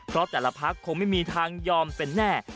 เพราะแต่ละพักคงไม่มีทางยอมเป็นแน่